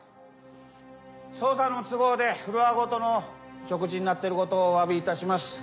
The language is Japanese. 捜査の都合でフロアごとの食事になってることをお詫びいたします。